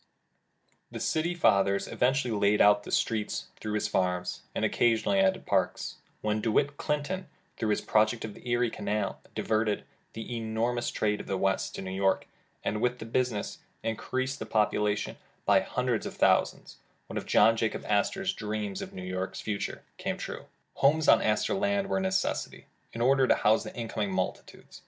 The city fathers eventually laid out streets through his farms, and occasionally added parks. When DeWitt Clinton, through his project of the Erie Canal, diverted the enormous trade of the West to New York, and with the business, increased the population by hundreds of thousands, one of John Jacob Astor 's dreams of New York's future came true. Homes on Astor land were a necessity, in order to house the incoming multitudes.